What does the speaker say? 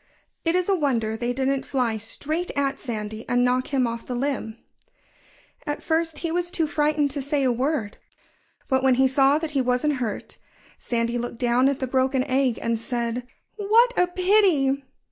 It is a wonder they didn't fly straight at Sandy and knock him off the limb. At first he was too frightened to say a word. But when he saw that he wasn't hurt, Sandy looked down at the broken egg and said: "What a pity!"